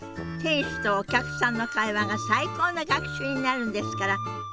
店主とお客さんの会話が最高の学習になるんですから。